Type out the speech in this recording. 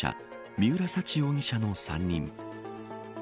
三浦沙知容疑者の３人。